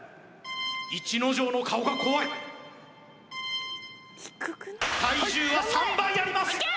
逸ノ城の顔が怖い体重は３倍あります